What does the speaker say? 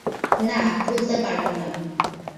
না ভুলতে পারব না।